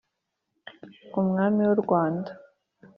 Umwami w'u Rwanda